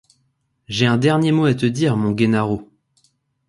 J’ai un dernier mot à te dire, mon Gennaro!